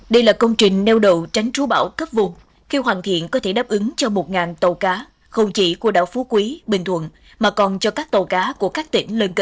đây là công trình neo đậu tránh trụ bão trên đảo phú quý giai đoạn hai đang được cấp rút thi công